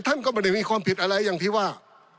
ท่านก็ไม่ได้มีความผิดอะไรอย่างที่ว่า